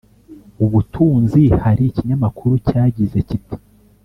Ubutunzi Hari ikinyamakuru cyagize kiti